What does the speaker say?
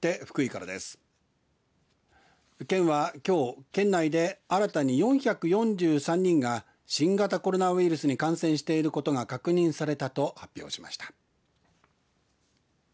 県は、きょう県内で新たに４４３人が新型コロナウイルスに感染していることが確認されたと発表しました。